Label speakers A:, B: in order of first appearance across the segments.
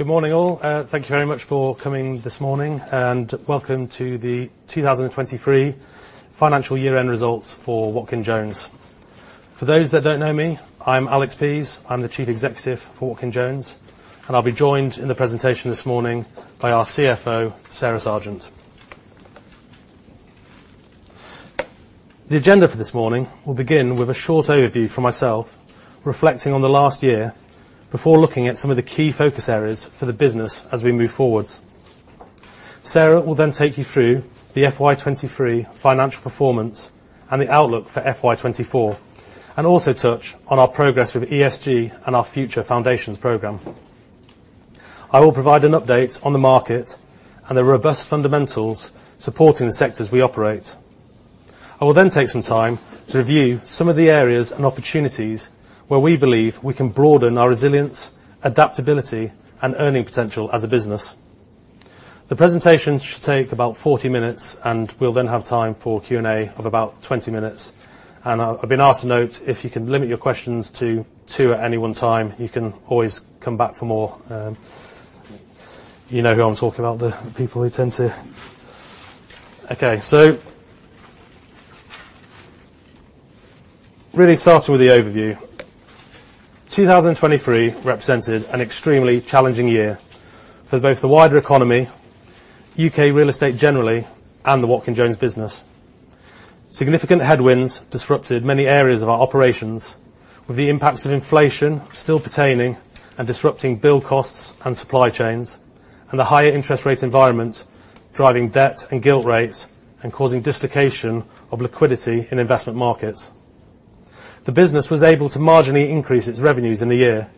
A: Good morning, all. Thank you very much for coming this morning, and welcome to the 2023 financial year-end results for Watkin Jones. For those that don't know me, I'm Alex Pease. I'm the Chief Executive Officer for Watkin Jones, and I'll be joined in the presentation this morning by our CFO, Sarah Sergeant. The agenda for this morning will begin with a short overview from myself, reflecting on the last year, before looking at some of the key focus areas for the business as we move forward. Sarah will then take you through the FY 2023 financial performance and the outlook for FY 2024, and also touch on our progress with ESG and our Future Foundations program. I will provide an update on the market and the robust fundamentals supporting the sectors we operate. I will then take some time to review some of the areas and opportunities where we believe we can broaden our resilience, adaptability, and earning potential as a business. The presentation should take about 40 minutes, and we'll then have time for Q&A of about 20 minutes, and I, I've been asked to note, if you can limit your questions to two at any one time, you can always come back for more. You know who I'm talking about, the people who tend to... Okay, so really starting with the overview. 2023 represented an extremely challenging year for both the wider economy, U.K. real estate generally, and the Watkin Jones business. Significant headwinds disrupted many areas of our operations, with the impacts of inflation still pertaining and disrupting bill costs and supply chains, and the higher interest rate environment driving debt and gilt rates and causing dislocation of liquidity in investment markets. The business was able to marginally increase its revenues in the year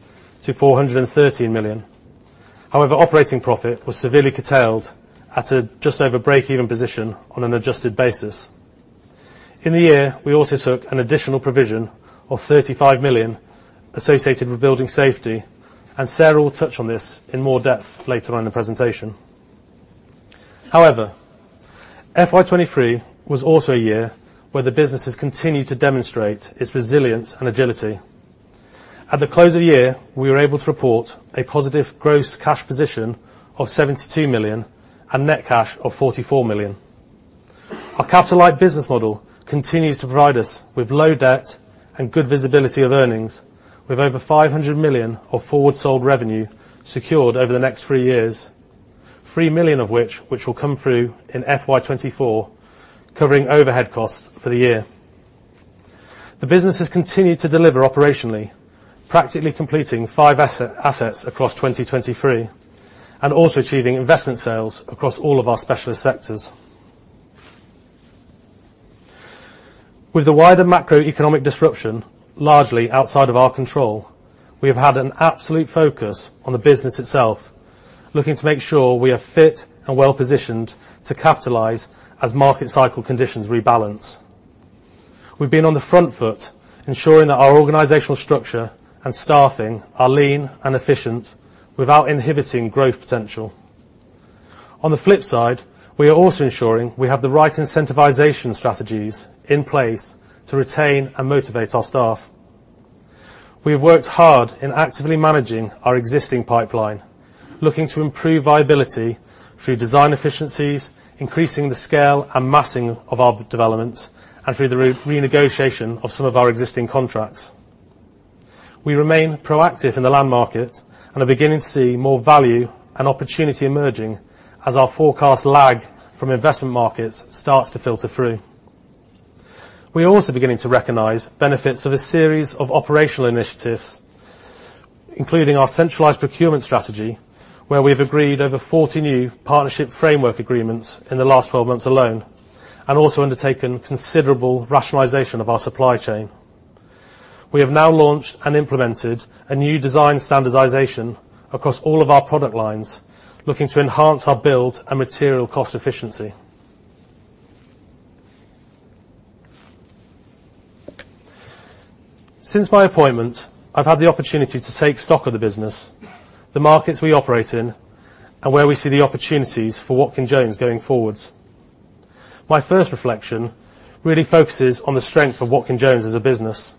A: to 413 million. However, operating profit was severely curtailed at a just over break-even position on an adjusted basis. In the year, we also took an additional provision of 35 million associated with building safety, and Sarah will touch on this in more depth later on in the presentation. However, FY 2023 was also a year where the business has continued to demonstrate its resilience and agility. At the close of the year, we were able to report a positive gross cash position of 72 million and net cash of 44 million. A capital-light business model continues to provide us with low debt and good visibility of earnings, with over 500 million of forward sold revenue secured over the next three years, 3 million of which will come through in FY 2024, covering overhead costs for the year. The business has continued to deliver operationally, practically completing five assets across 2023, and also achieving investment sales across all of our specialist sectors. With the wider macroeconomic disruption, largely outside of our control, we have had an absolute focus on the business itself, looking to make sure we are fit and well positioned to capitalize as market cycle conditions rebalance. We've been on the front foot, ensuring that our organizational structure and staffing are lean and efficient without inhibiting growth potential. On the flip side, we are also ensuring we have the right incentivization strategies in place to retain and motivate our staff. We've worked hard in actively managing our existing pipeline, looking to improve viability through design efficiencies, increasing the scale and massing of our developments, and through the re-negotiation of some of our existing contracts. We remain proactive in the land market and are beginning to see more value and opportunity emerging as our forecast lag from investment markets starts to filter through. We are also beginning to recognize benefits of a series of operational initiatives, including our centralized procurement strategy, where we've agreed over 40 new partnership framework agreements in the last 12 months alone, and also undertaken considerable rationalization of our supply chain. We have now launched and implemented a new design standardization across all of our product lines, looking to enhance our build and material cost efficiency. Since my appointment, I've had the opportunity to take stock of the business, the markets we operate in, and where we see the opportunities for Watkin Jones going forward. My first reflection really focuses on the strength of Watkin Jones as a business.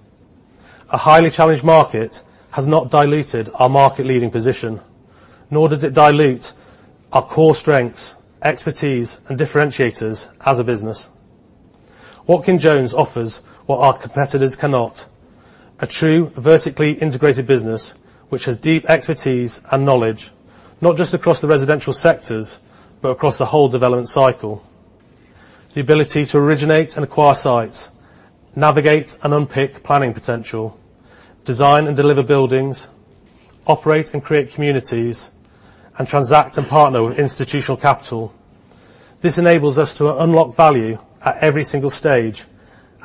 A: A highly challenged market has not diluted our market-leading position, nor does it dilute our core strengths, expertise, and differentiators as a business. Watkin Jones offers what our competitors cannot: a true, vertically integrated business, which has deep expertise and knowledge, not just across the residential sectors, but across the whole development cycle. The ability to originate and acquire sites, navigate and unpick planning potential, design and deliver buildings, operate and create communities, and transact and partner with institutional capital. This enables us to unlock value at every single stage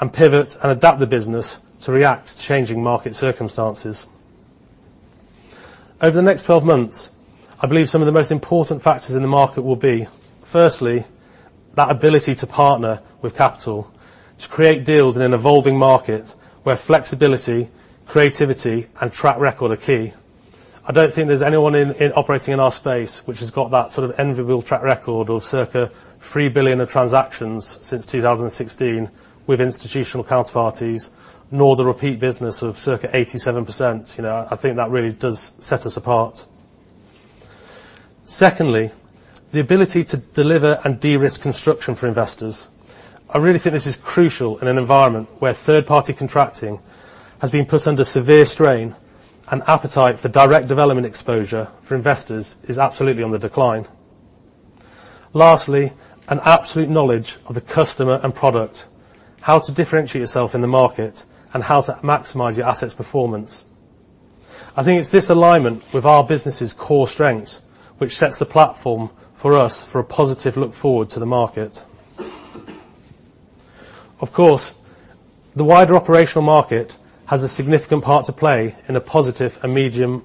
A: and pivot and adapt the business to react to changing market circumstances. Over the next 12 months, I believe some of the most important factors in the market will be, firstly, that ability to partner with capital, to create deals in an evolving market where flexibility, creativity, and track record are key. I don't think there's anyone operating in our space which has got that sort of enviable track record of circa 3 billion of transactions since 2016 with institutional counterparties, nor the repeat business of circa 87%. You know, I think that really does set us apart. Secondly, the ability to deliver and de-risk construction for investors. I really think this is crucial in an environment where third-party contracting has been put under severe strain, and appetite for direct development exposure for investors is absolutely on the decline. Lastly, an absolute knowledge of the customer and product, how to differentiate yourself in the market, and how to maximize your asset's performance. I think it's this alignment with our business's core strengths, which sets the platform for us for a positive look forward to the market. Of course, the wider operational market has a significant part to play in a positive, medium,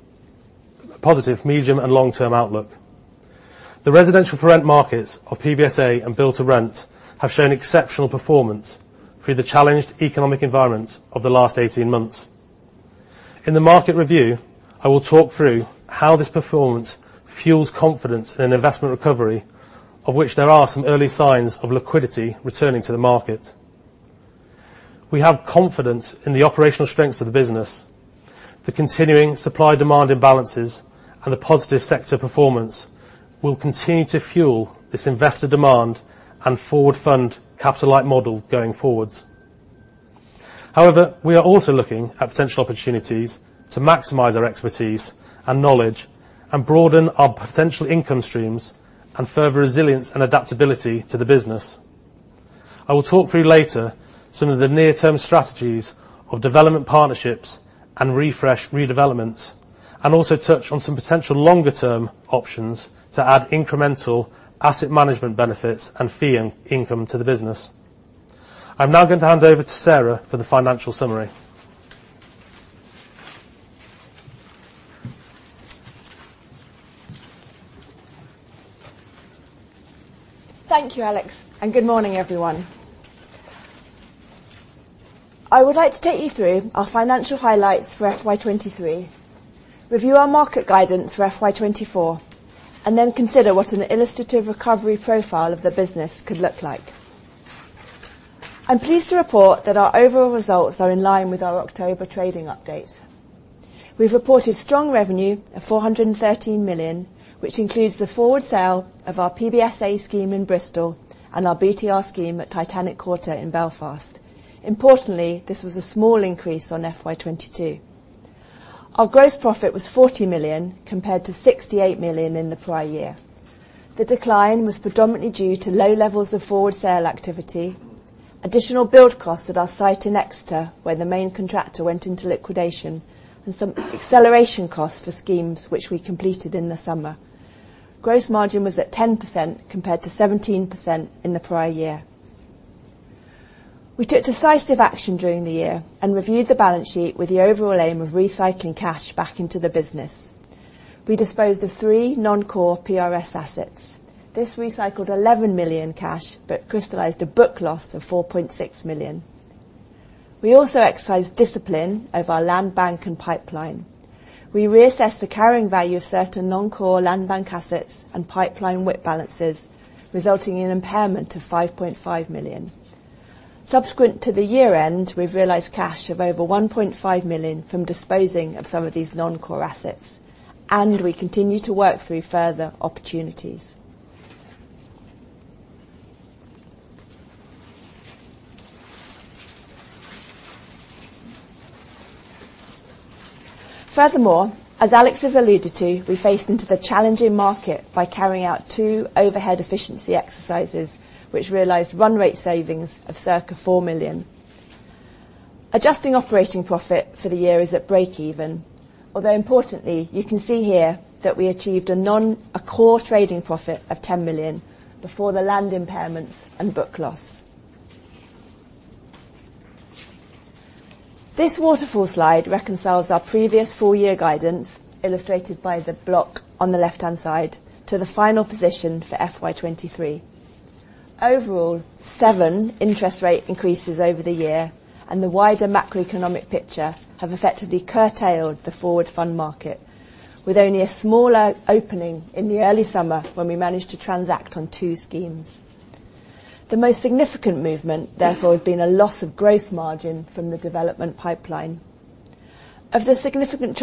A: and long-term outlook. The residential for rent markets of PBSA and build to rent have shown exceptional performance through the challenged economic environment of the last 18 months. In the market review, I will talk through how this performance fuels confidence in investment recovery, of which there are some early signs of liquidity returning to the market. We have confidence in the operational strengths of the business. The continuing supply-demand imbalances and the positive sector performance will continue to fuel this investor demand and forward fund capital-light model going forwards. However, we are also looking at potential opportunities to maximize our expertise and knowledge, and broaden our potential income streams, and further resilience and adaptability to the business. I will talk through later some of the near-term strategies of development partnerships and Refresh redevelopments, and also touch on some potential longer-term options to add incremental asset management benefits and fee income to the business. I'm now going to hand over to Sarah for the financial summary.
B: Thank you, Alex, and good morning, everyone. I would like to take you through our financial highlights for FY 2023, review our market guidance for FY 2024, and then consider what an illustrative recovery profile of the business could look like. I'm pleased to report that our overall results are in line with our October trading update. We've reported strong revenue of 413 million, which includes the forward sale of our PBSA scheme in Bristol and our BTR scheme at Titanic Quarter in Belfast. Importantly, this was a small increase on FY 2022. Our gross profit was 40 million, compared to 68 million in the prior year. The decline was predominantly due to low levels of forward sale activity, additional build costs at our site in Exeter, where the main contractor went into liquidation, and some acceleration costs for schemes which we completed in the summer. Gross margin was at 10%, compared to 17% in the prior year. We took decisive action during the year and reviewed the balance sheet with the overall aim of recycling cash back into the business. We disposed of three non-core PRS assets. This recycled 11 million cash, but crystallized a book loss of 4.6 million. We also exercised discipline over our land bank and pipeline. We reassessed the carrying value of certain non-core land bank assets and pipeline WIP balances, resulting in impairment of 5.5 million. Subsequent to the year-end, we've realized cash of over 1.5 million from disposing of some of these non-core assets, and we continue to work through further opportunities. Furthermore, as Alex has alluded to, we faced into the challenging market by carrying out two overhead efficiency exercises, which realized run rate savings of circa 4 million. Adjusting operating profit for the year is at break even, although importantly, you can see here that we achieved a core trading profit of 10 million before the land impairment and book loss. This waterfall slide reconciles our previous full year guidance, illustrated by the block on the left-hand side, to the final position for FY 2023. Overall, seven interest rate increases over the year and the wider macroeconomic picture have effectively curtailed the forward fund market, with only a smaller opening in the early summer, when we managed to transact on two schemes. The most significant movement, therefore, has been a loss of gross margin from the development pipeline. Of the significant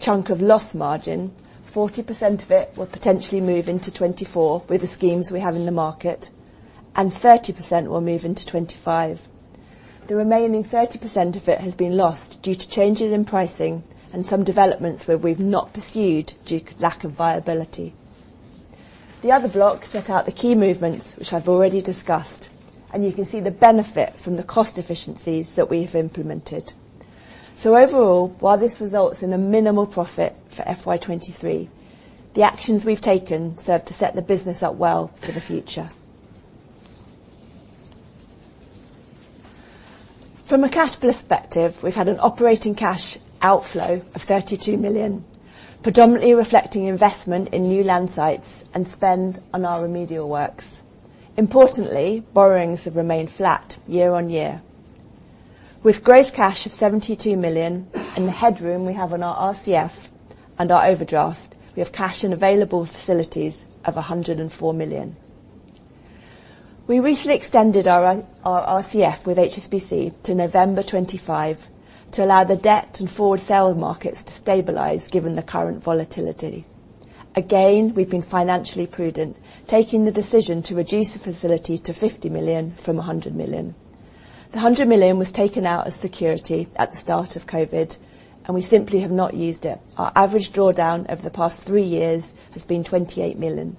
B: chunk of loss margin, 40% of it will potentially move into 2024 with the schemes we have in the market, and 30% will move into 2025. The remaining 30% of it has been lost due to changes in pricing and some developments where we've not pursued due to lack of viability. The other block set out the key movements, which I've already discussed, and you can see the benefit from the cost efficiencies that we've implemented. So overall, while this results in a minimal profit for FY 2023, the actions we've taken serve to set the business up well for the future. From a cash flow perspective, we've had an operating cash outflow of 32 million, predominantly reflecting investment in new land sites and spend on our remedial works. Importantly, borrowings have remained flat year-over-year. With gross cash of 72 million and the headroom we have on our RCF and our overdraft, we have cash and available facilities of 104 million. We recently extended our RCF with HSBC to November 2025, to allow the debt and forward sale markets to stabilize, given the current volatility. Again, we've been financially prudent, taking the decision to reduce the facility to 50 million from 100 million. The 100 million was taken out as security at the start of COVID, and we simply have not used it. Our average drawdown over the past three years has been 28 million.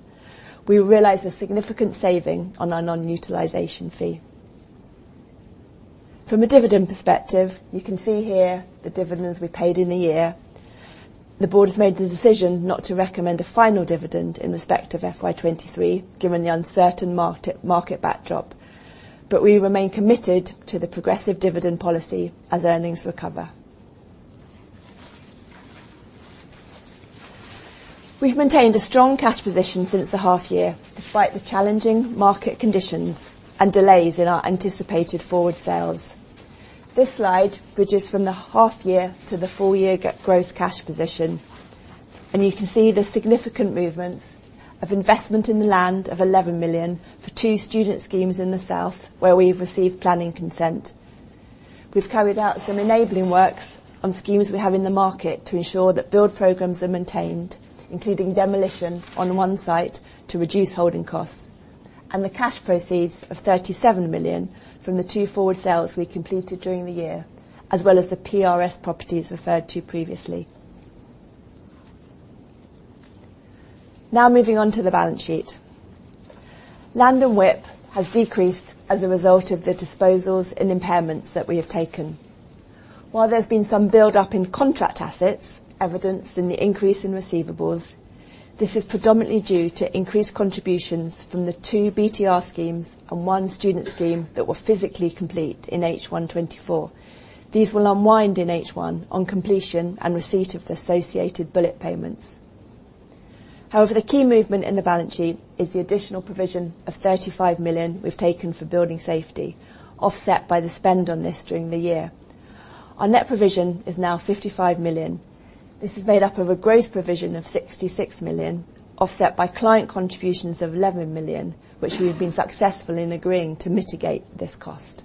B: We realized a significant saving on our non-utilization fee. From a dividend perspective, you can see here the dividends we paid in the year. The board has made the decision not to recommend a final dividend in respect of FY 2023, given the uncertain market backdrop. But we remain committed to the progressive dividend policy as earnings recover. We've maintained a strong cash position since the half year, despite the challenging market conditions and delays in our anticipated forward sales. This slide bridges from the half year to the full year gross cash position, and you can see the significant movement of investment in the land of 11 million for two student schemes in the south, where we've received planning consent. We've carried out some enabling works on schemes we have in the market to ensure that build programs are maintained, including demolition on one site, to reduce holding costs, and the cash proceeds of 37 million from the two forward sales we completed during the year, as well as the PRS properties referred to previously. Now, moving on to the balance sheet. Land and WIP has decreased as a result of the disposals and impairments that we have taken. While there's been some buildup in contract assets, evidenced in the increase in receivables, this is predominantly due to increased contributions from the two BTR schemes and one student scheme that were physically complete in H1 2024. These will unwind in H1 on completion and receipt of the associated bullet payments. However, the key movement in the balance sheet is the additional provision of 35 million we've taken for building safety, offset by the spend on this during the year. Our net provision is now 55 million. This is made up of a gross provision of 66 million, offset by client contributions of 11 million, which we've been successful in agreeing to mitigate this cost.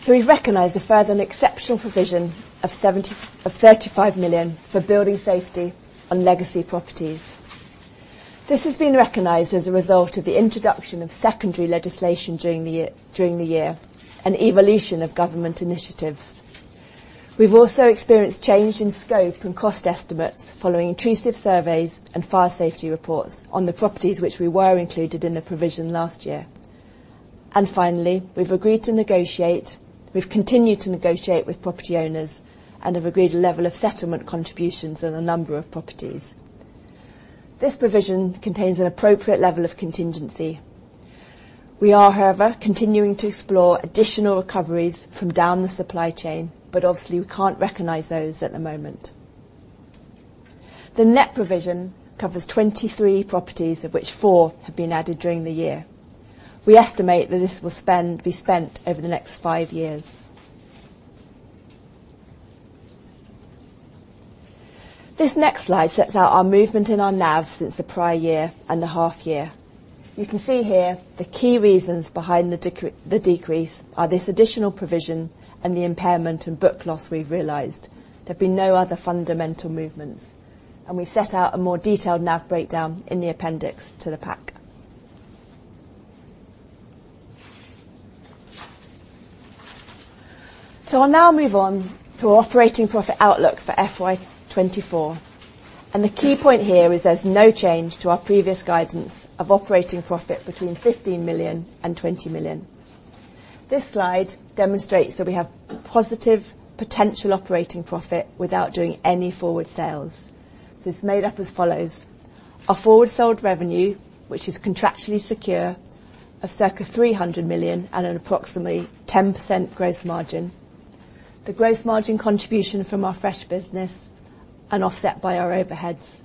B: So we've recognized a further and exceptional provision of 35 million for building safety on legacy properties. This has been recognized as a result of the introduction of secondary legislation during the year, during the year, and evolution of government initiatives. We've also experienced change in scope and cost estimates following intrusive surveys and fire safety reports on the properties which were included in the provision last year. Finally, we've continued to negotiate with property owners and have agreed a level of settlement contributions on a number of properties. This provision contains an appropriate level of contingency. We are, however, continuing to explore additional recoveries from down the supply chain, but obviously, we can't recognize those at the moment. The net provision covers 23 properties, of which four have been added during the year. We estimate that this will be spent over the next five years. This next slide sets out our movement in our NAV since the prior year and the half year. You can see here, the key reasons behind the decrease are this additional provision and the impairment and book loss we've realized. There have been no other fundamental movements, and we've set out a more detailed NAV breakdown in the appendix to the pack. So I'll now move on to operating profit outlook for FY 2024, and the key point here is there's no change to our previous guidance of operating profit between 15 million and 20 million. This slide demonstrates that we have positive potential operating profit without doing any forward sales. This is made up as follows: our forward sold revenue, which is contractually secure, of circa 300 million at an approximately 10% gross margin, the gross margin contribution from our Fresh business, and offset by our overheads.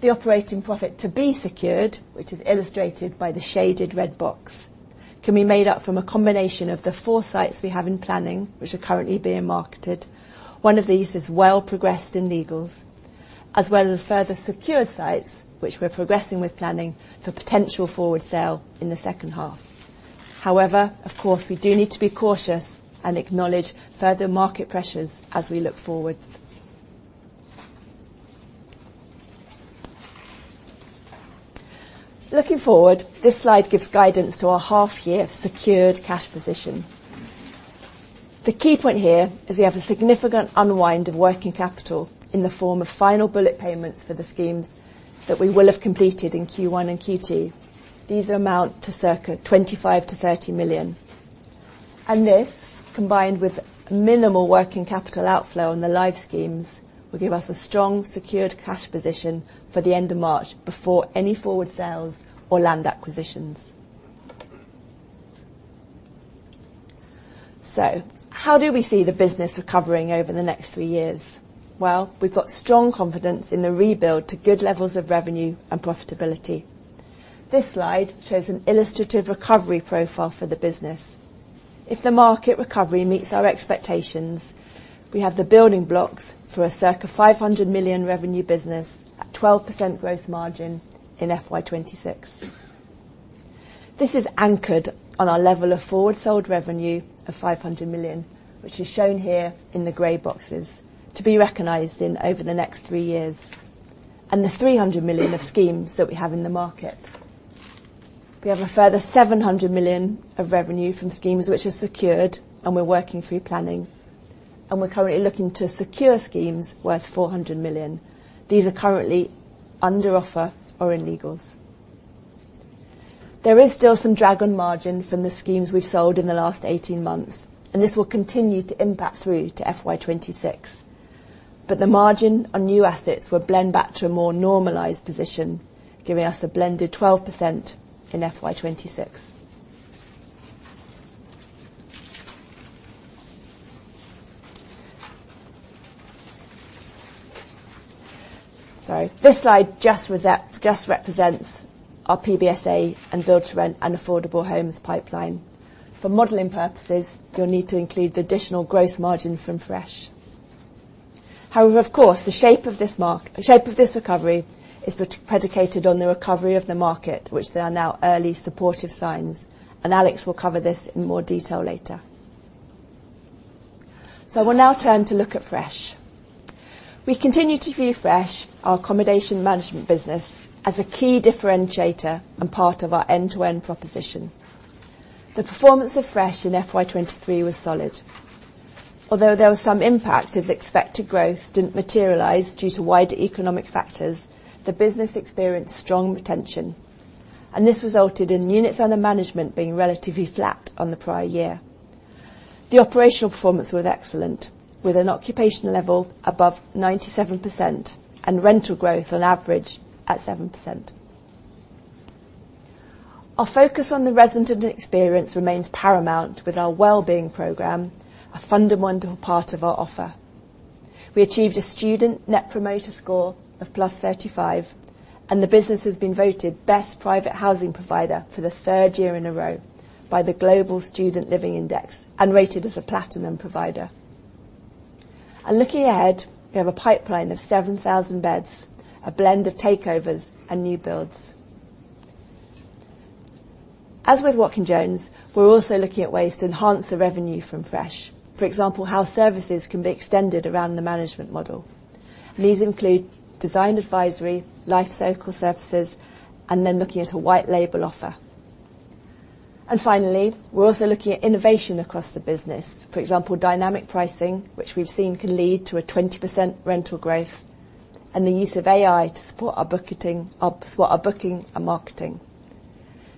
B: The operating profit to be secured, which is illustrated by the shaded red box, can be made up from a combination of the four sites we have in planning, which are currently being marketed. One of these is well progressed in legals, as well as further secured sites, which we're progressing with planning for potential forward sale in the second half. However, of course, we do need to be cautious and acknowledge further market pressures as we look forwards. Looking forward, this slide gives guidance to our half-year secured cash position. The key point here is we have a significant unwind of working capital in the form of final bullet payments for the schemes that we will have completed in Q1 and Q2. These amount to circa 25 million-30 million, and this, combined with minimal working capital outflow on the live schemes, will give us a strong, secured cash position for the end of March, before any forward sales or land acquisitions. So how do we see the business recovering over the next three years? Well, we've got strong confidence in the rebuild to good levels of revenue and profitability. This slide shows an illustrative recovery profile for the business. If the market recovery meets our expectations, we have the building blocks for a circa 500 million revenue business at 12% gross margin in FY 2026. This is anchored on our level of forward sold revenue of 500 million, which is shown here in the gray boxes, to be recognized in over the next 3 years, and the 300 million of schemes that we have in the market. We have a further 700 million of revenue from schemes which are secured, and we're working through planning, and we're currently looking to secure schemes worth 400 million. These are currently under offer or in legals. There is still some drag on margin from the schemes we've sold in the last 18 months, and this will continue to impact through to FY 2026. But the margin on new assets will blend back to a more normalized position, giving us a blended 12% in FY 2026. Sorry, this slide just represents our PBSA and build to rent and affordable homes pipeline. For modeling purposes, you'll need to include the additional gross margin from Fresh. However, of course, the shape of this recovery is predicated on the recovery of the market, which there are now early supportive signs, and Alex will cover this in more detail later. We'll now turn to look at Fresh. We continue to view Fresh, our accommodation management business, as a key differentiator and part of our end-to-end proposition. The performance of Fresh in FY 2023 was solid. Although there was some impact as expected growth didn't materialize due to wider economic factors, the business experienced strong retention, and this resulted in units under management being relatively flat on the prior year. The operational performance was excellent, with an occupation level above 97% and rental growth on average at 7%. Our focus on the resident experience remains paramount, with our wellbeing program a fundamental part of our offer. We achieved a student Net Promoter Score of +35, and the business has been voted best private housing provider for the third year in a row by the Global Student Living Index and rated as a platinum provider. Looking ahead, we have a pipeline of 7,000 beds, a blend of takeovers and new builds. As with Watkin Jones, we're also looking at ways to enhance the revenue from Fresh. For example, how services can be extended around the management model. These include design advisory, lifecycle services, and then looking at a white label offer. Finally, we're also looking at innovation across the business. For example, dynamic pricing, which we've seen can lead to a 20% rental growth, and the use of AI to support our booking and marketing.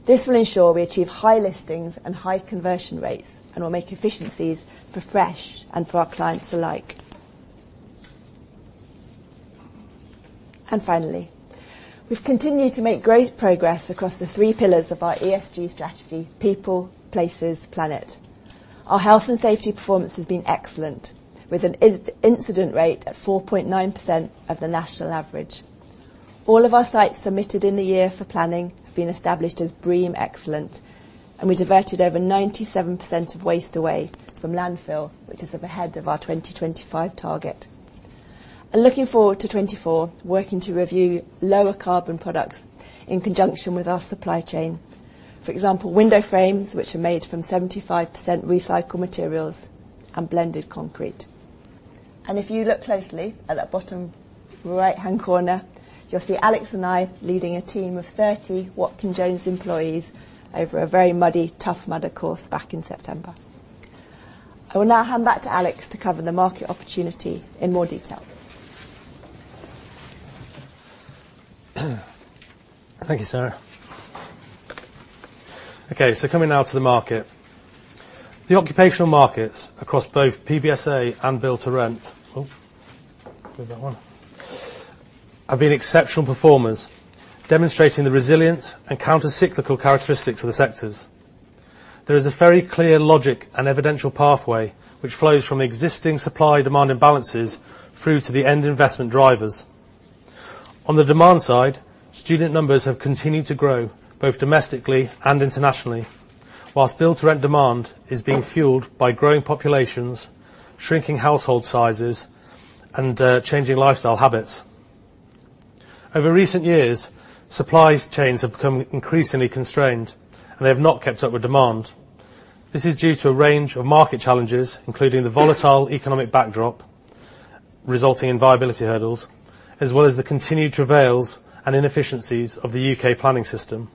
B: This will ensure we achieve high listings and high conversion rates and will make efficiencies for Fresh and for our clients alike. And finally, we've continued to make great progress across the three pillars of our ESG strategy: people, places, planet. Our health and safety performance has been excellent, with an incident rate at 4.9% of the national average. All of our sites submitted in the year for planning have been established as BREEAM Excellent, and we diverted over 97% of waste away from landfill, which is ahead of our 2025 target. And looking forward to 2024, working to review lower carbon products in conjunction with our supply chain. For example, window frames, which are made from 75% recycled materials and blended concrete. If you look closely at that bottom right-hand corner, you'll see Alex and I leading a team of 30 Watkin Jones employees over a very muddy, Tough Mudder course back in September. I will now hand back to Alex to cover the market opportunity in more detail.
A: Thank you, Sarah. Okay, so coming now to the market. The occupational markets across both PBSA and build to rent have been exceptional performers, demonstrating the resilience and countercyclical characteristics of the sectors. There is a very clear logic and evidential pathway which flows from existing supply-demand imbalances through to the end investment drivers. On the demand side, student numbers have continued to grow, both domestically and internationally, whilst build to rent demand is being fueled by growing populations, shrinking household sizes, and changing lifestyle habits. Over recent years, supply chains have become increasingly constrained, and they have not kept up with demand. This is due to a range of market challenges, including the volatile economic backdrop, resulting in viability hurdles, as well as the continued travails and inefficiencies of the U.K. planning system.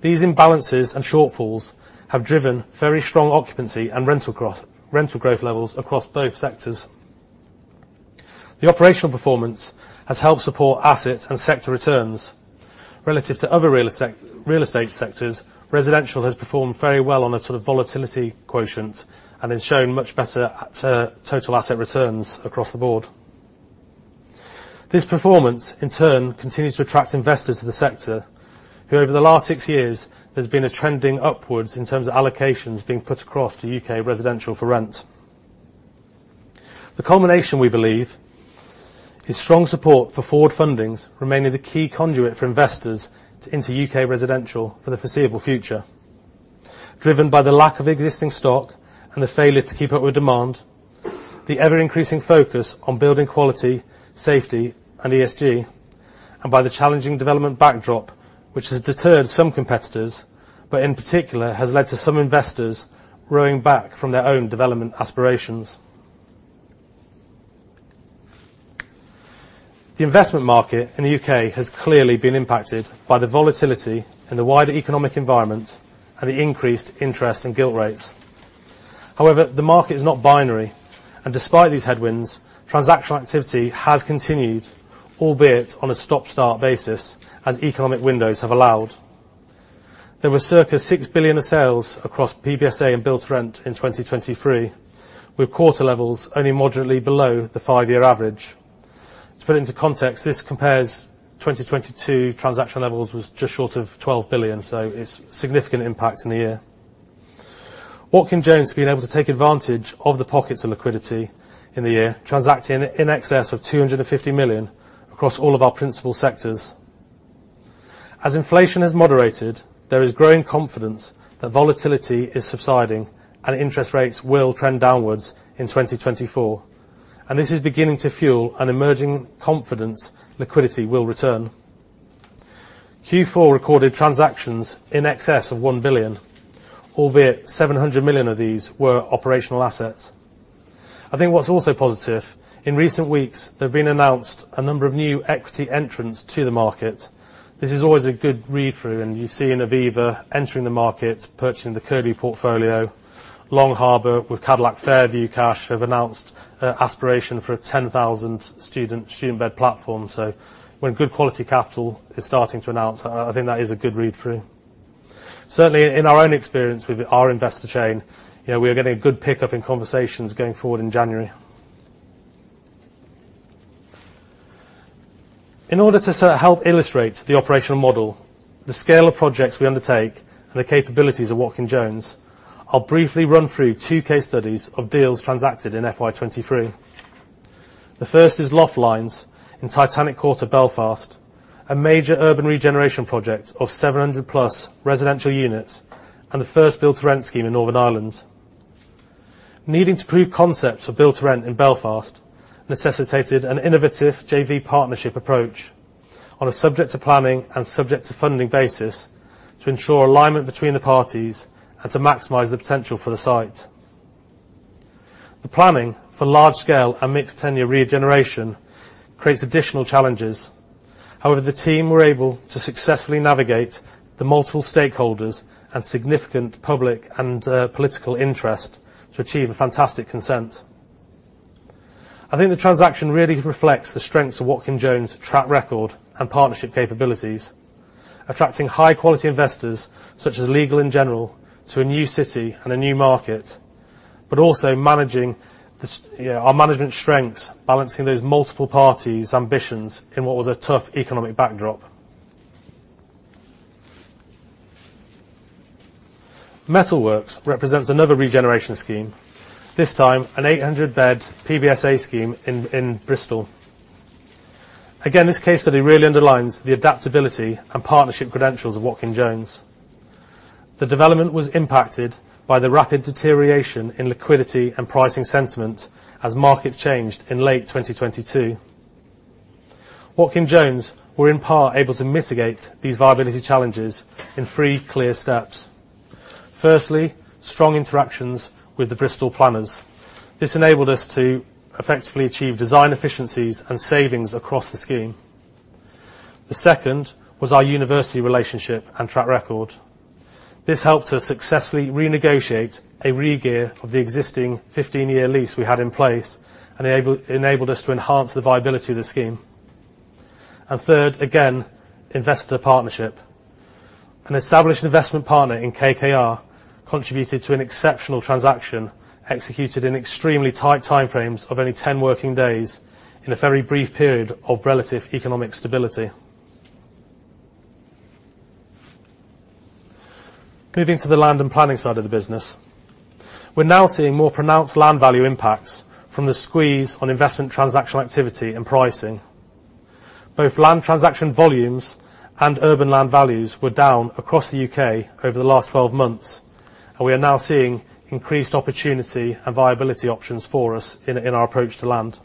A: These imbalances and shortfalls have driven very strong occupancy and rental growth, rental growth levels across both sectors. The operational performance has helped support asset and sector returns. Relative to other real estate, real estate sectors, residential has performed very well on a sort of volatility quotient and has shown much better, total asset returns across the board. This performance, in turn, continues to attract investors to the sector, who, over the last six years, there's been a trending upwards in terms of allocations being put across to U.K. residential for rent.... The combination, we believe, is strong support for forward funding remaining the key conduit for investors into U.K. residential for the foreseeable future, driven by the lack of existing stock and the failure to keep up with demand, the ever-increasing focus on building quality, safety and ESG, and by the challenging development backdrop, which has deterred some competitors, but in particular has led to some investors rowing back from their own development aspirations. The investment market in the U.K. has clearly been impacted by the volatility in the wider economic environment and the increased interest and gilt rates. However, the market is not binary, and despite these headwinds, transactional activity has continued, albeit on a stop-start basis, as economic windows have allowed. There were circa 6 billion of sales across PBSA and build to rent in 2023, with quarter levels only moderately below the five-year average. To put it into context, this compares 2022 transaction levels which was just short of 12 billion, so it's a significant impact in the year. Watkin Jones has been able to take advantage of the pockets of liquidity in the year, transacting in excess of 250 million across all of our principal sectors. As inflation has moderated, there is growing confidence that volatility is subsiding and interest rates will trend downwards in 2024, and this is beginning to fuel an emerging confidence liquidity will return. Q4 recorded transactions in excess of 1 billion, albeit 700 million of these were operational assets. I think what's also positive, in recent weeks, there have been announced a number of new equity entrants to the market. This is always a good read-through, and you've seen Aviva entering the market, purchasing the Curlew portfolio. Long Harbour, with Cadillac Fairview, have announced aspiration for a 10,000 student bed platform. So when good quality capital is starting to announce, I think that is a good read-through. Certainly, in our own experience with our investor chain, you know, we are getting a good pick-up in conversations going forward in January. In order to sort of help illustrate the operational model, the scale of projects we undertake, and the capabilities of Watkin Jones, I'll briefly run through two case studies of deals transacted in FY 2023. The first is Loft Lines in Titanic Quarter, Belfast, a major urban regeneration project of 700+ residential units and the first build to rent scheme in Northern Ireland. Needing to prove concepts for build to rent in Belfast necessitated an innovative JV partnership approach on a subject to planning and subject to funding basis to ensure alignment between the parties and to maximize the potential for the site. The planning for large scale and mixed tenure regeneration creates additional challenges. However, the team were able to successfully navigate the multiple stakeholders and significant public and political interest to achieve a fantastic consent. I think the transaction really reflects the strengths of Watkin Jones' track record and partnership capabilities, attracting high quality investors, such as Legal & General, to a new city and a new market, but also managing You know, our management strengths, balancing those multiple parties' ambitions in what was a tough economic backdrop. Metalworks represents another regeneration scheme, this time an 800-bed PBSA scheme in Bristol. Again, this case study really underlines the adaptability and partnership credentials of Watkin Jones. The development was impacted by the rapid deterioration in liquidity and pricing sentiment as markets changed in late 2022. Watkin Jones were, in part, able to mitigate these viability challenges in three clear steps. Firstly, strong interactions with the Bristol planners. This enabled us to effectively achieve design efficiencies and savings across the scheme. The second was our university relationship and track record. This helped us successfully renegotiate a regear of the existing 15-year lease we had in place and enabled us to enhance the viability of the scheme. And third, again, investor partnership. An established investment partner in KKR contributed to an exceptional transaction, executed in extremely tight timeframes of only 10 working days in a very brief period of relative economic stability. Moving to the land and planning side of the business, we're now seeing more pronounced land value impacts from the squeeze on investment transactional activity and pricing. Both land transaction volumes and urban land values were down across the U.K. over the last 12 months, and we are now seeing increased opportunity and viability options for us in our approach to land.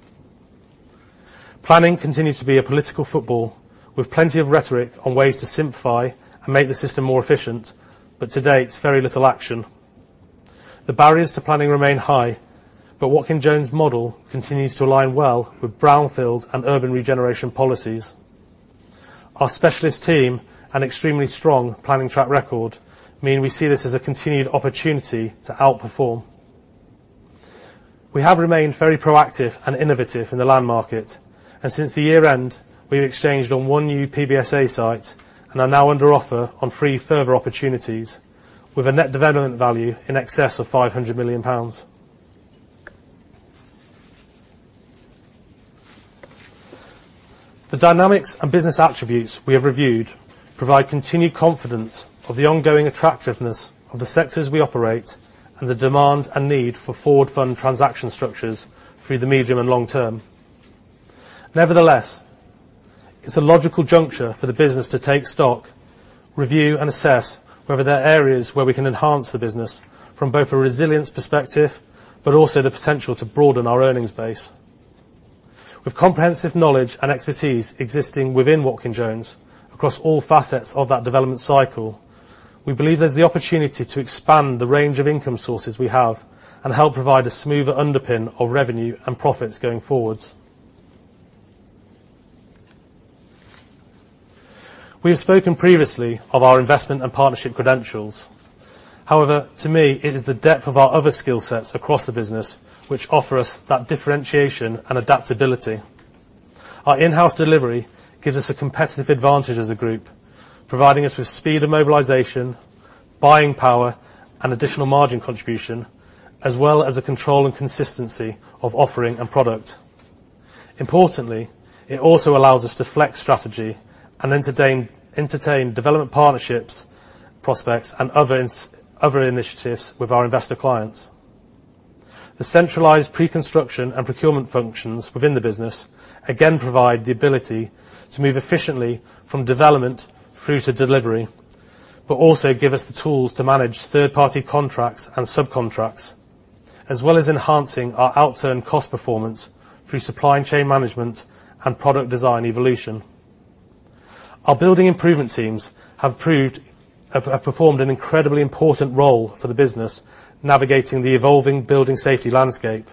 A: Planning continues to be a political football, with plenty of rhetoric on ways to simplify and make the system more efficient, but to date, it's very little action. The barriers to planning remain high, but Watkin Jones' model continues to align well with brownfield and urban regeneration policies. Our specialist team and extremely strong planning track record mean we see this as a continued opportunity to outperform. We have remained very proactive and innovative in the land market, and since the year-end, we've exchanged on one new PBSA site and are now under offer on three further opportunities with a net development value in excess of 500 million pounds. The dynamics and business attributes we have reviewed provide continued confidence of the ongoing attractiveness of the sectors we operate, and the demand and need for forward fund transaction structures through the medium and long term. Nevertheless, it's a logical juncture for the business to take stock, review, and assess whether there are areas where we can enhance the business from both a resilience perspective, but also the potential to broaden our earnings base. With comprehensive knowledge and expertise existing within Watkin Jones, across all facets of that development cycle, we believe there's the opportunity to expand the range of income sources we have, and help provide a smoother underpin of revenue and profits going forward. We have spoken previously of our investment and partnership credentials. However, to me, it is the depth of our other skill sets across the business, which offer us that differentiation and adaptability. Our in-house delivery gives us a competitive advantage as a group, providing us with speed and mobilization, buying power, and additional margin contribution, as well as a control and consistency of offering and product. Importantly, it also allows us to flex strategy and entertain development partnerships, prospects, and other initiatives with our investor clients. The centralized pre-construction and procurement functions within the business, again, provide the ability to move efficiently from development through to delivery, but also give us the tools to manage third-party contracts and subcontracts, as well as enhancing our outturn cost performance through supply chain management and product design evolution. Our building improvement teams have performed an incredibly important role for the business, navigating the evolving building safety landscape.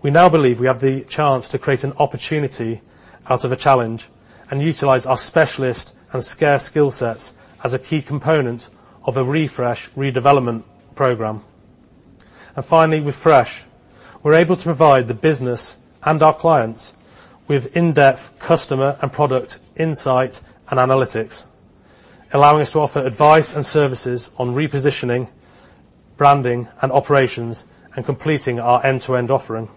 A: We now believe we have the chance to create an opportunity out of a challenge, and utilize our specialist and scarce skill sets as a key component of a refresh, redevelopment program. Finally, with Fresh, we're able to provide the business and our clients with in-depth customer and product insight and analytics, allowing us to offer advice and services on repositioning, branding, and operations, and completing our end-to-end offering.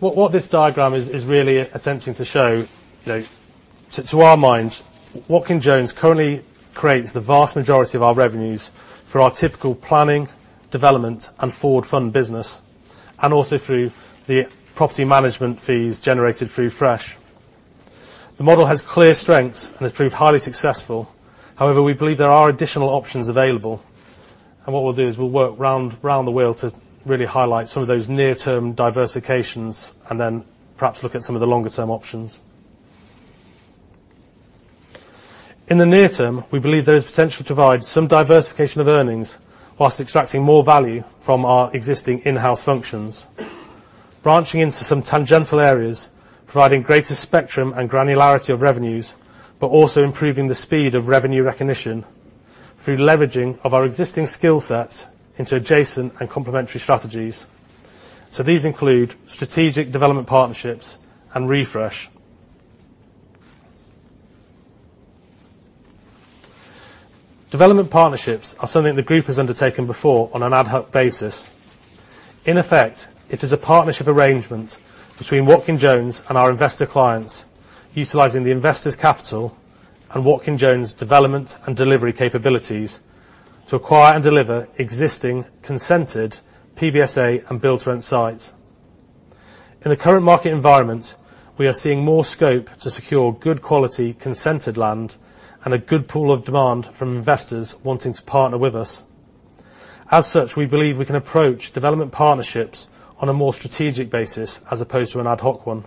A: What this diagram is is really attempting to show, you know, to our minds, Watkin Jones currently creates the vast majority of our revenues for our typical planning, development, and forward fund business, and also through the property management fees generated through Fresh. The model has clear strengths and has proved highly successful. However, we believe there are additional options available, and what we'll do is we'll work round the wheel to really highlight some of those near-term diversifications, and then perhaps look at some of the longer-term options. In the near term, we believe there is potential to provide some diversification of earnings while extracting more value from our existing in-house functions. Branching into some tangential areas, providing greater spectrum and granularity of revenues, but also improving the speed of revenue recognition through leveraging of our existing skill sets into adjacent and complementary strategies. So these include strategic development partnerships and refresh. Development partnerships are something the group has undertaken before on an ad hoc basis. In effect, it is a partnership arrangement between Watkin Jones and our investor clients, utilizing the investor's capital and Watkin Jones' development and delivery capabilities to acquire and deliver existing consented PBSA and build to rent sites. In the current market environment, we are seeing more scope to secure good quality, consented land, and a good pool of demand from investors wanting to partner with us. As such, we believe we can approach development partnerships on a more strategic basis, as opposed to an ad hoc one.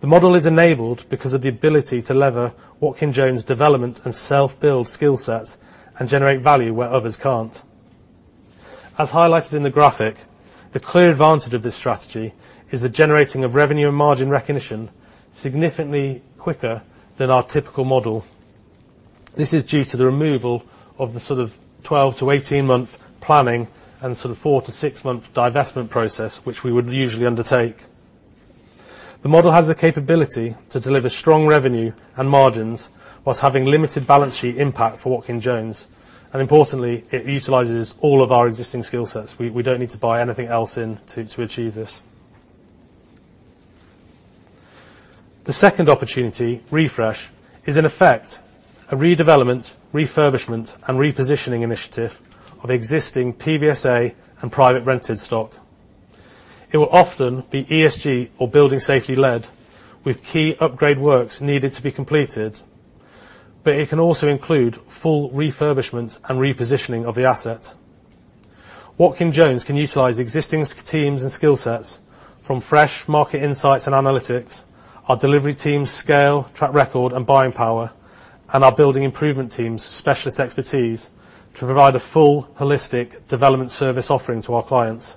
A: The model is enabled because of the ability to leverage Watkin Jones development and self-build skill sets and generate value where others can't. As highlighted in the graphic, the clear advantage of this strategy is the generating of revenue and margin recognition, significantly quicker than our typical model. This is due to the removal of the sort of 12-18-month planning and sort of four to six month divestment process, which we would usually undertake. The model has the capability to deliver strong revenue and margins, while having limited balance sheet impact for Watkin Jones, and importantly, it utilizes all of our existing skill sets. We don't need to buy anything else in to achieve this. The second opportunity, Refresh, is in effect, a redevelopment, refurbishment, and repositioning initiative of existing PBSA and private rented stock. It will often be ESG or building safety lead, with key upgrade works needed to be completed, but it can also include full refurbishment and repositioning of the asset. Watkin Jones can utilize existing teams and skill sets from Fresh market insights and analytics, our delivery team's scale, track record, and buying power, and our building improvement team's specialist expertise to provide a full holistic development service offering to our clients.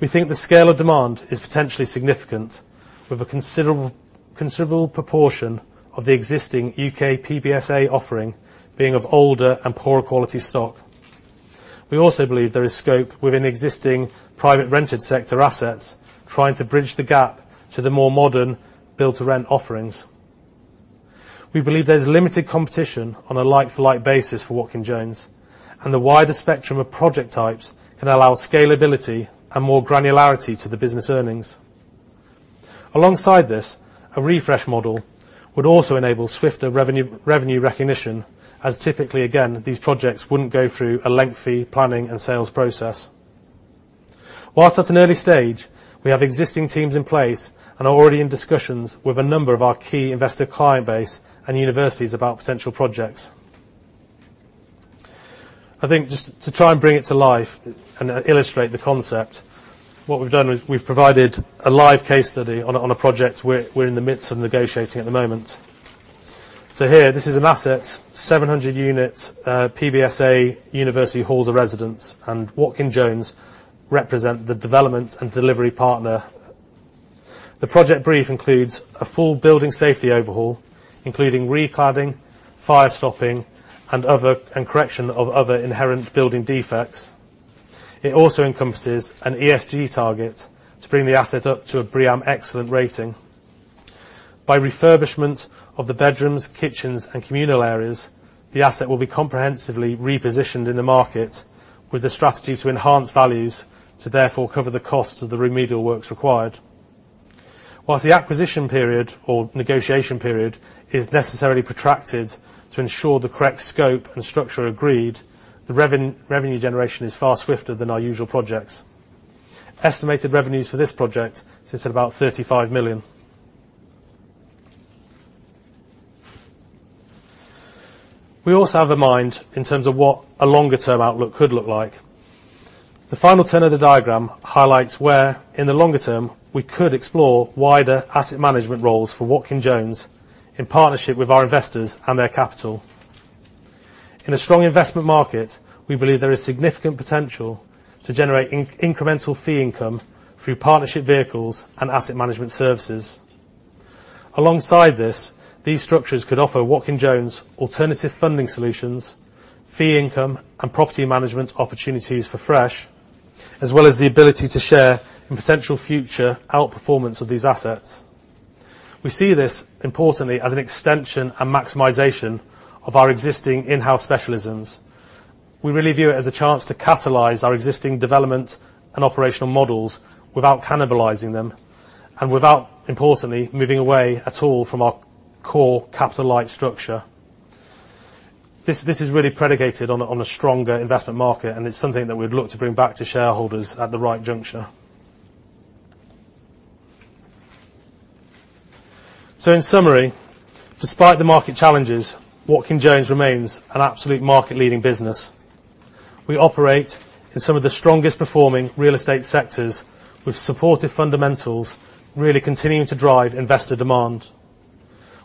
A: We think the scale of demand is potentially significant, with a considerable, considerable proportion of the existing UK PBSA offering being of older and poorer quality stock. We also believe there is scope within the existing private rented sector assets, trying to bridge the gap to the more modern build-to-rent offerings... We believe there's limited competition on a like-for-like basis for Watkin Jones, and the wider spectrum of project types can allow scalability and more granularity to the business earnings. Alongside this, a Refresh model would also enable swifter revenue, revenue recognition, as typically, again, these projects wouldn't go through a lengthy planning and sales process. While at an early stage, we have existing teams in place and are already in discussions with a number of our key investor client base and universities about potential projects. I think just to try and bring it to life and illustrate the concept, what we've done is we've provided a live case study on a project we're in the midst of negotiating at the moment. So here, this is an asset, 700 units, PBSA university halls of residence, and Watkin Jones represent the development and delivery partner. The project brief includes a full building safety overhaul, including recladding, fire stopping, and correction of other inherent building defects. It also encompasses an ESG target to bring the asset up to a BREEAM Excellent rating. By refurbishment of the bedrooms, kitchens, and communal areas, the asset will be comprehensively repositioned in the market, with a strategy to enhance values to therefore cover the cost of the remedial works required. Whilst the acquisition period or negotiation period is necessarily protracted to ensure the correct scope and structure are agreed, the revenue generation is far swifter than our usual projects. Estimated revenues for this project sits at about 35 million. We also have in mind, in terms of what a longer-term outlook could look like. The final 10 of the diagram highlights where, in the longer term, we could explore wider asset management roles for Watkin Jones in partnership with our investors and their capital. In a strong investment market, we believe there is significant potential to generate incremental fee income through partnership vehicles and asset management services. Alongside this, these structures could offer Watkin Jones alternative funding solutions, fee income, and property management opportunities for Fresh, as well as the ability to share in potential future outperformance of these assets. We see this, importantly, as an extension and maximization of our existing in-house specialisms. We really view it as a chance to catalyze our existing development and operational models without cannibalizing them, and without, importantly, moving away at all from our core capital-light structure. This is really predicated on a stronger investment market, and it's something that we'd look to bring back to shareholders at the right juncture. So in summary, despite the market challenges, Watkin Jones remains an absolute market-leading business. We operate in some of the strongest performing real estate sectors, with supportive fundamentals really continuing to drive investor demand.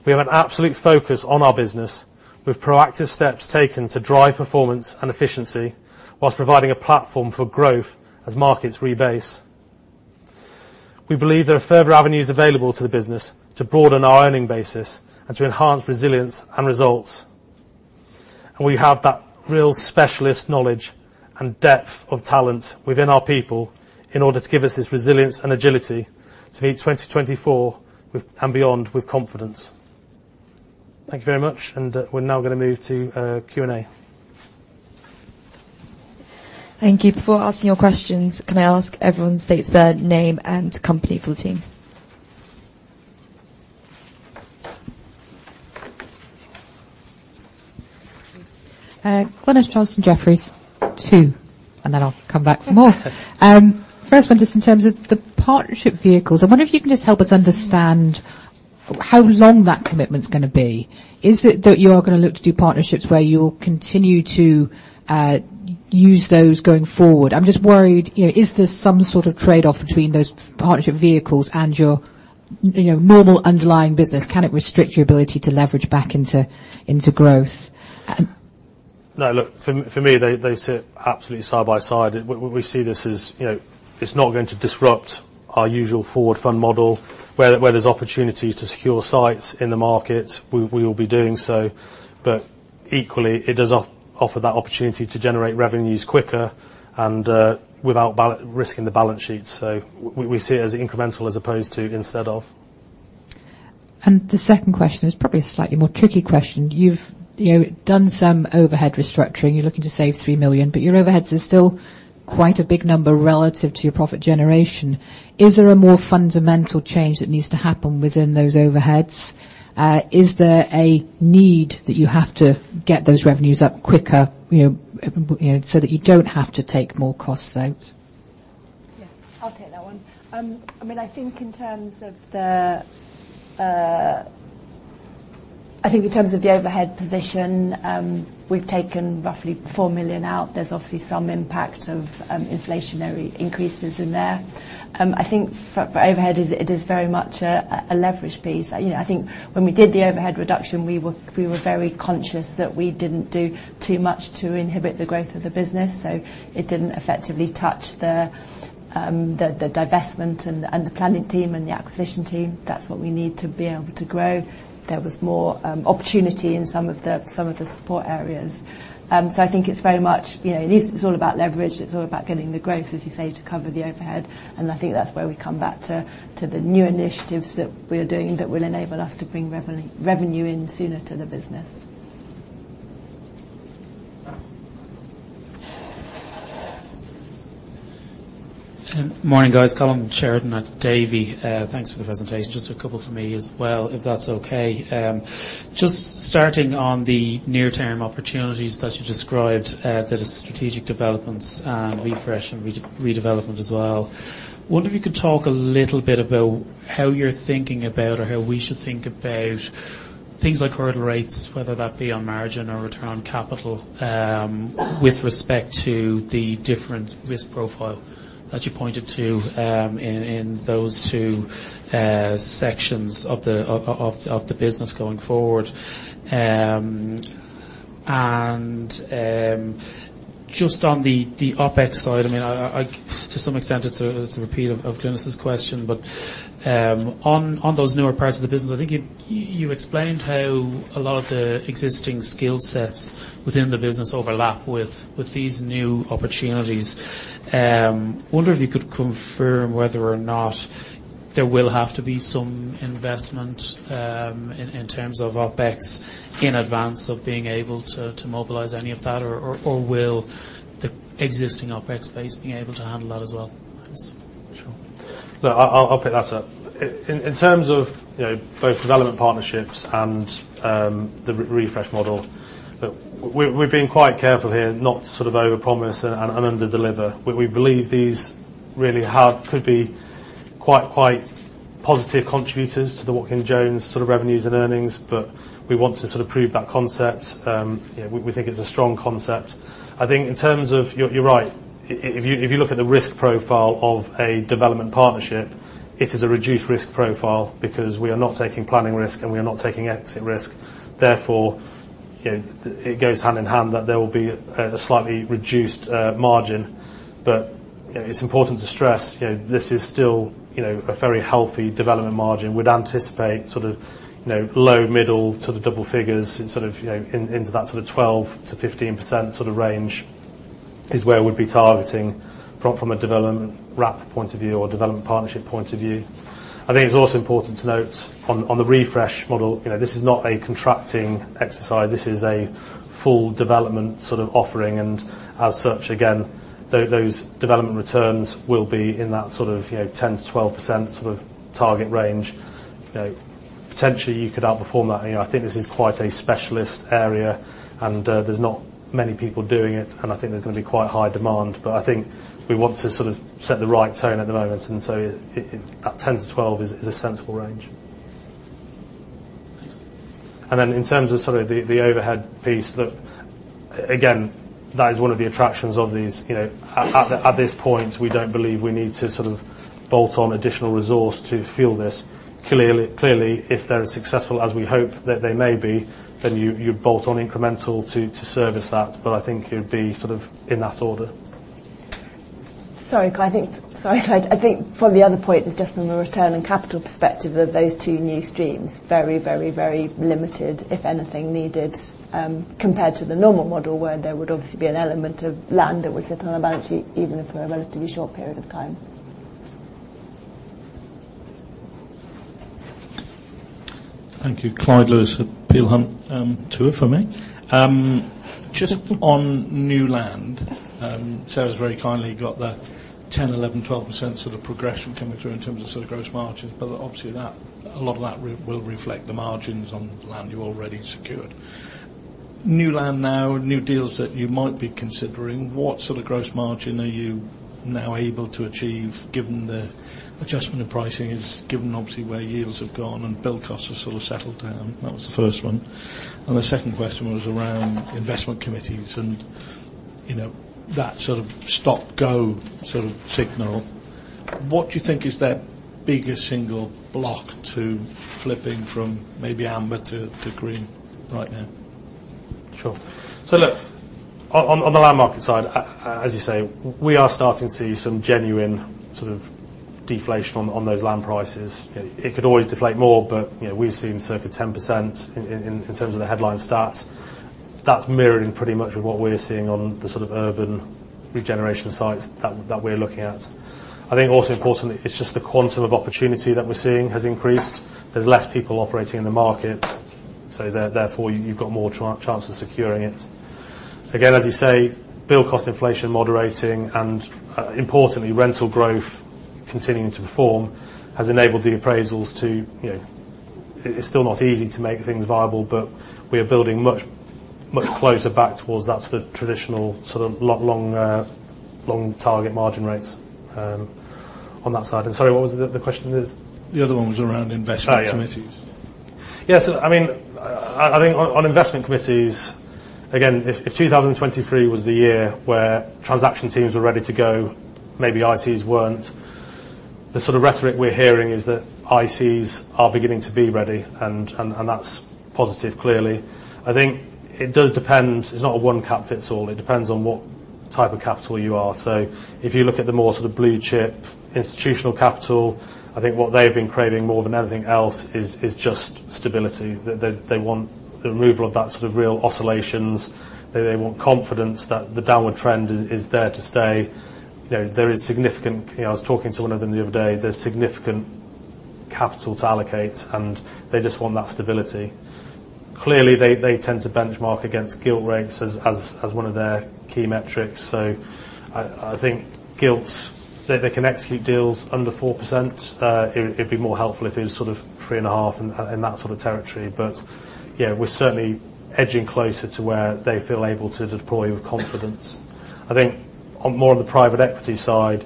A: We have an absolute focus on our business, with proactive steps taken to drive performance and efficiency, while providing a platform for growth as markets rebase. We believe there are further avenues available to the business to broaden our earning basis and to enhance resilience and results, and we have that real specialist knowledge and depth of talent within our people in order to give us this resilience and agility to meet 2024 and beyond, with confidence. Thank you very much, and we're now gonna move to Q&A.
C: Thank you. Before asking your questions, can I ask everyone states their name and company please?
D: Glynis Johnson, Jefferies, two, and then I'll come back for more.
C: Okay.
D: First one, just in terms of the partnership vehicles, I wonder if you can just help us understand how long that commitment's gonna be. Is it that you are gonna look to do partnerships where you'll continue to use those going forward? I'm just worried, you know, is there some sort of trade-off between those partnership vehicles and your, you know, normal underlying business? Can it restrict your ability to leverage back into growth?
A: No, look, for me, they sit absolutely side by side. What we see this as, you know, it's not going to disrupt our usual forward fund model. Where there's opportunity to secure sites in the market, we will be doing so, but equally, it does offer that opportunity to generate revenues quicker and without risking the balance sheet. So we see it as incremental as opposed to instead of.
D: The second question is probably a slightly more tricky question. You've, you know, done some overhead restructuring. You're looking to save 3 million, but your overheads are still quite a big number relative to your profit generation. Is there a more fundamental change that needs to happen within those overheads? Is there a need that you have to get those revenues up quicker, you know, you know, so that you don't have to take more costs out?
B: Yeah, I'll take that one. I mean, I think in terms of the overhead position, we've taken roughly 4 million out. There's obviously some impact of inflationary increases in there. I think for overhead, it is very much a leverage piece. You know, I think when we did the overhead reduction, we were very conscious that we didn't do too much to inhibit the growth of the business, so it didn't effectively touch the divestment and the planning team and the acquisition team. That's what we need to be able to grow. There was more opportunity in some of the support areas. So, I think it's very much, you know, it is all about leverage, it's all about getting the growth, as you say, to cover the overhead, and I think that's where we come back to the new initiatives that we are doing that will enable us to bring revenue in sooner to the business. ...
E: Morning, guys. Colin Sheridan at Davy. Thanks for the presentation. Just a couple for me as well, if that's okay. Just starting on the near-term opportunities that you described, that is strategic developments and refresh and redevelopment as well. Wonder if you could talk a little bit about how you're thinking about or how we should think about things like hurdle rates, whether that be on margin or return on capital, with respect to the different risk profile that you pointed to, in those two sections of the business going forward. And, just on the OpEx side, I mean, to some extent, it's a repeat of Glynis's question, but, on those newer parts of the business, I think you explained how a lot of the existing skill sets within the business overlap with these new opportunities. Wonder if you could confirm whether or not there will have to be some investment in terms of OpEx in advance of being able to mobilize any of that, or will the existing OpEx base be able to handle that as well? Thanks.
A: Sure. Look, I'll pick that up. In terms of, you know, both development partnerships and the Refresh model, look, we're being quite careful here not to sort of overpromise and underdeliver. We believe these really could be quite positive contributors to the Watkin Jones sort of revenues and earnings, but we want to sort of prove that concept. You know, we think it's a strong concept. I think in terms of... You're right. If you look at the risk profile of a development partnership, it is a reduced risk profile because we are not taking planning risk, and we are not taking exit risk. Therefore, you know, it goes hand in hand that there will be a slightly reduced margin. But, you know, it's important to stress, you know, this is still, you know, a very healthy development margin. We'd anticipate sort of, you know, low middle to the double figures in sort of, you know, into that sort of 12%-15% sort of range, is where we'd be targeting from a development wrap point of view or development partnership point of view. I think it's also important to note on the Refresh model, you know, this is not a contracting exercise. This is a full development sort of offering, and as such, again, those development returns will be in that sort of, you know, 10%-12% sort of target range. You know, potentially, you could outperform that. You know, I think this is quite a specialist area, and there's not many people doing it, and I think there's gonna be quite high demand, but I think we want to sort of set the right tone at the moment, and so it that 10%-12% is a sensible range.
E: Thanks.
A: And then in terms of sort of the overhead piece, look, again, that is one of the attractions of these. You know, at this point, we don't believe we need to sort of bolt on additional resource to fuel this. Clearly, if they're as successful as we hope that they may be, then you bolt on incremental to service that, but I think it'd be sort of in that order.
B: Sorry, I think from the other point, it's just from a return on capital perspective of those two new streams, very, very, very limited, if anything, needed, compared to the normal model, where there would obviously be an element of land that was sitting on a balance sheet, even if for a relatively short period of time.
F: Thank you. Clyde Lewis at Peel Hunt. Two for me. Just on new land, Sarah's very kindly got that 10%, 11%, 12% sort of progression coming through in terms of sort of gross margins, but obviously, that, a lot of that will reflect the margins on land you already secured. New land now, new deals that you might be considering, what sort of gross margin are you now able to achieve, given the adjustment in pricing is, given obviously where yields have gone and build costs are sort of settled down? That was the first one, and the second question was around investment committees and, you know, that sort of stop, go, sort of signal. What do you think is their biggest single block to flipping from maybe amber to, to green right now?
A: Sure. So look, on, on, on the land market side, as you say, we are starting to see some genuine sort of deflation on, on those land prices. It could always deflate more, but, you know, we've seen circa 10% in terms of the headline stats. That's mirroring pretty much with what we're seeing on the sort of urban regeneration sites that we're looking at. I think also importantly, it's just the quantum of opportunity that we're seeing has increased. There's less people operating in the market, so therefore, you've got more chance of securing it. Again, as you say, build cost inflation moderating and, importantly, rental growth continuing to perform, has enabled the appraisals to, you know... It's still not easy to make things viable, but we are building much, much closer back towards that sort of traditional, sort of long, long target margin rates on that side. And sorry, what was the question is?
F: The other one was around investment committees.
A: Oh, yeah. Yes, I mean, I think on investment committees, again, if 2023 was the year where transaction teams were ready to go, maybe ICs weren't. The sort of rhetoric we're hearing is that ICs are beginning to be ready, and that's positive, clearly. I think it does depend. It's not a one-size-fits-all. It depends on what type of capital you are. So if you look at the more sort of blue chip, institutional capital, I think what they've been craving more than anything else is just stability. They want the removal of that sort of real oscillations. They want confidence that the downward trend is there to stay. You know, there is significant capital to allocate, and they just want that stability. Clearly, they tend to benchmark against gilt rates as one of their key metrics. So I think gilts, they can execute deals under 4%. It'd be more helpful if it was sort of 3.5%, in that sort of territory. But yeah, we're certainly edging closer to where they feel able to deploy with confidence. I think on more of the private equity side,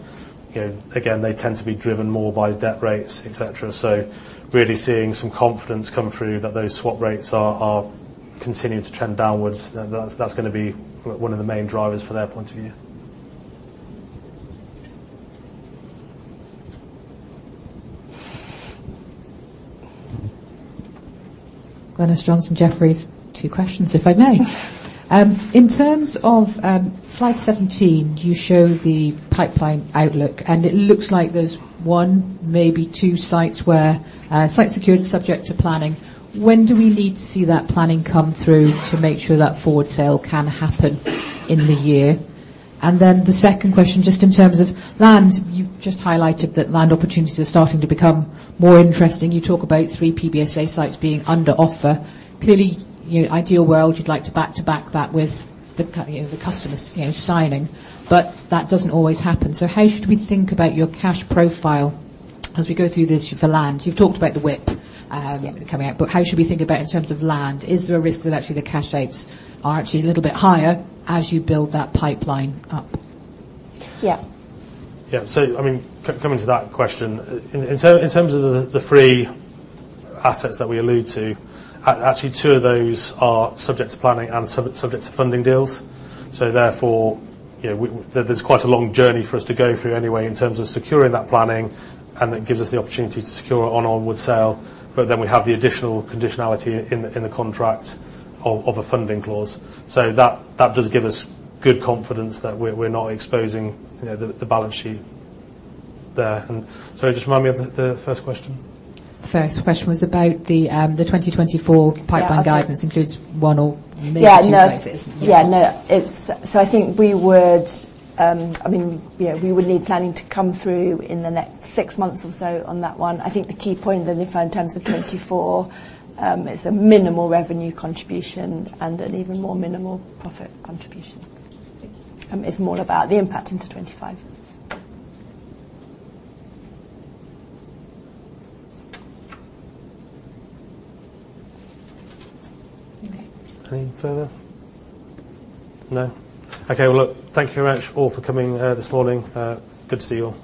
A: you know, again, they tend to be driven more by debt rates, et cetera. So really seeing some confidence come through that those swap rates are continuing to trend downwards. That's gonna be one of the main drivers for their point of view.
D: Glynis Johnson, Jefferies. Two questions, if I may.
B: Yeah.
D: In terms of slide 17, do you show the pipeline outlook? And it looks like there's one, maybe two sites where site security is subject to planning. When do we need to see that planning come through to make sure that forward sale can happen in the year? And then the second question, just in terms of land, you've just highlighted that land opportunities are starting to become more interesting. You talk about three PBSA sites being under offer. Clearly, you know, ideal world, you'd like to back to back that with the you know, the customers, you know, signing, but that doesn't always happen. So how should we think about your cash profile as we go through this for land? You've talked about the WIP coming out, but how should we think about in terms of land? Is there a risk that actually the cash rates are actually a little bit higher as you build that pipeline up?
B: Yeah.
A: Yeah. So, I mean, coming to that question, in terms of the three assets that we allude to, actually, two of those are subject to planning and subject to funding deals. So therefore, you know, there's quite a long journey for us to go through anyway in terms of securing that planning, and it gives us the opportunity to secure it on onward sale. But then we have the additional conditionality in the contract of a funding clause. So that does give us good confidence that we're not exposing, you know, the balance sheet there. And sorry, just remind me of the first question.
D: First question was about the 2024 pipeline guidance, includes one or maybe two sites.
B: Yeah, no. Yeah, no, it's... So I think we would, I mean, yeah, we would need planning to come through in the next six months or so on that one. I think the key point, Glynis, in terms of 2024, is a minimal revenue contribution and an even more minimal profit contribution. It's more about the impact into 2025. Okay.
A: Anything further? No. Okay, well, look, thank you very much all for coming, this morning. Good to see you all.